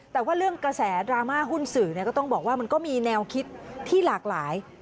แต่ว่าเรื่องกระแสดราม่าหุ้นสื่อก็ต้องบอกว่ามันก็มีแนวคิดที่หลากหลาย